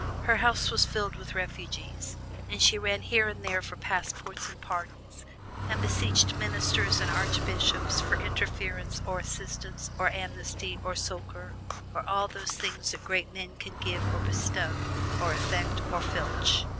Her house was filled with refugees, and she ran here and there for passports and pardons, and beseeched ministers and archbishops for interference or assistance or amnesty or succor and all those things that great men can give or bestow or effect or filch.